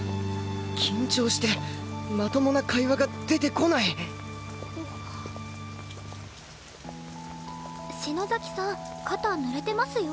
緊張してまともな会話が出てこない篠崎さん肩ぬれてますよ。